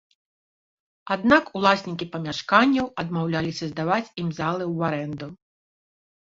Аднак уласнікі памяшканняў адмаўляліся здаваць ім залы ў арэнду.